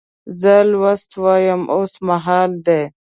زه لوست وایم اوس مهال دی.